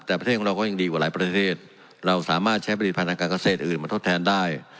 แต่ประเทศของเราก็ยังดีกว่าหลายประเทศเราสามารถใช้ผลิตภัณฑ์การเกษตรอื่นมาทดแทนได้